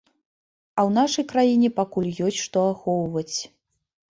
А ў нашай краіне пакуль ёсць што ахоўваць.